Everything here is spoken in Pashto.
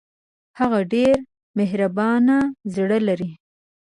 هغه ډېر مهربان زړه لري